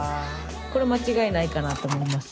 これ間違いないかなと思います。